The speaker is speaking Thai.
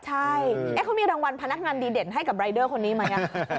ใช่เขามีรางวัลพนักงานดีเด่นให้กับรายเดอร์คนนี้ไหม